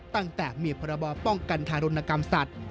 ตั้งแต่มีพรบป้องกันทารุณกรรมสัตว์